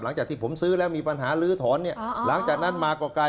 หลังจากที่ผมซื้อแล้วมีปัญหาลื้อถอนเนี่ย